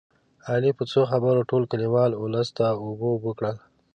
علي په څو خبرو ټول کلیوال اولس ته اوبه اوبه کړل